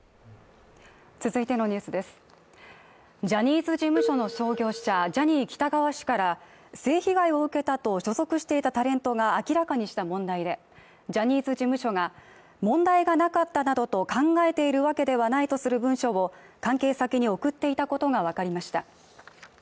ジャニーズ事務所の創業者ジャニー喜多川氏から性被害を受けたと所属していたタレントが明らかにした問題でジャニーズ事務所が問題がなかったなどと考えているわけではないとする文書を関係先に送っていたことが分かりました。